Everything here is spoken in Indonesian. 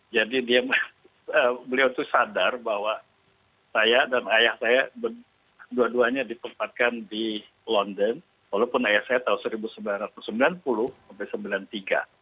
jadi beliau itu sadar bahwa saya dan ayah saya dua duanya dikempatkan di london walaupun ayah saya tahun seribu sembilan ratus sembilan puluh sampai seribu sembilan ratus sembilan puluh tiga